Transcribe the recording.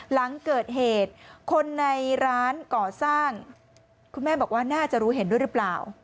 หลังเกิดเหตุคนในร้านก่อสร้างคุณแม่บอกว่าน่าจะรู้เห็นด้วยหรือเปล่า